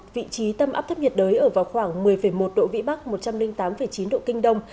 vị trí tâm áp thấp nhiệt đới ở vào khoảng một mươi một độ vĩ bắc một trăm linh tám chín độ kinh đông